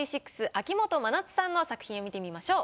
秋元真夏さんの作品を見てみましょう。